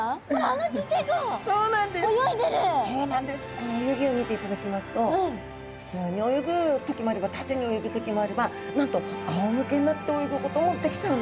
この泳ぎを見ていただきますと普通に泳ぐ時もあれば縦に泳ぐ時もあればなんとあおむけになって泳ぐこともできちゃうんです。